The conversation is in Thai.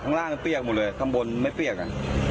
ข้างล่างเปรี้ยวหมู่เลยข้างบนไม่เปรี้ยวอ่ะ